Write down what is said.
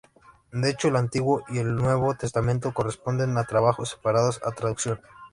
De hecho, el Antiguo y el Nuevo Testamento corresponden a trabajos separados de traducción.